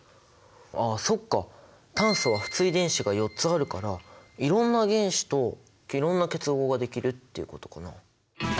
あっそっか炭素は不対電子が４つあるからいろんな原子といろんな結合ができるっていうことかな？